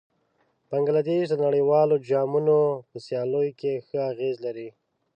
بنګله دېش د نړیوالو جامونو په سیالیو کې ښه اغېز لري.